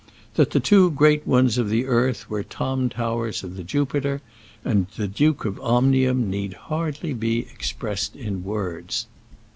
That the two great ones of the earth were Tom Towers of the Jupiter, and the Duke of Omnium, need hardly be expressed in words.